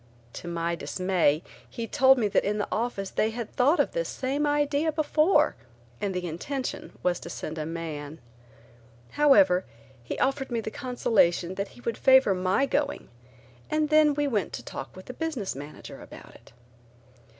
To my dismay he told me that in the office they had thought of this same idea before and the intention was to send a man. However he offered me the consolation that he would favor my going, and then we went to talk with the business manager about it.